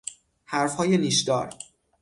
حرفهای نیشدار